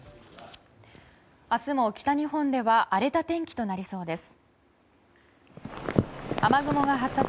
明日も北日本では荒れた天気となりそうです。